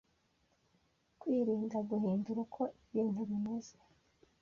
kwirinda guhindura uko ibintu bimeze